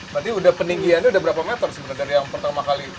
berarti peninggiannya udah berapa meter sebenarnya dari yang pertama kali